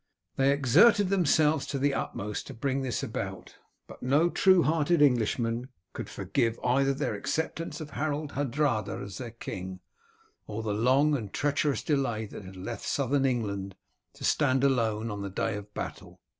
They exerted themselves to the utmost to bring this about, but no true hearted Englishman could forgive either their acceptance of Harold Hardrada as their king, or the long and treacherous delay that had left Southern England to stand alone on the day of battle.